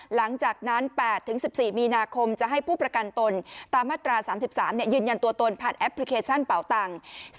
หลังจากนั้น๘๑๔มีนาคมจะให้ผู้ประกันตนตามมาตรา๓๓ยืนยันตัวตนผ่านแอปพลิเคชันเป่าตังค์